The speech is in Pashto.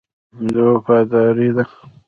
دا وفاداري ده.